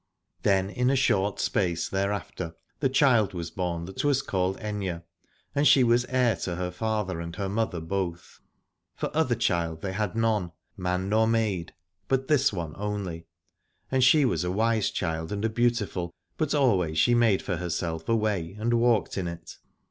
Then in short space thereafter the child was born, that was called Aithne, and she was heir to her father and her mother both, 62 Alad ore for other child they had none, man nor maid, but this one only. And she was a wise child and a beautiful, but always she made for herself a way and walked in it.